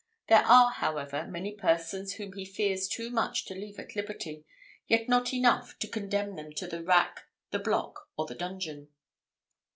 There are, however, many persons whom he fears too much to leave at liberty, yet not enough to condemn them to the rack, the block, or the dungeon.